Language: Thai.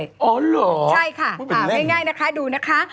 อ๋อเหรอพูดเป็นเล่นใช่ค่ะไม่ง่ายนะคะดูนะคะ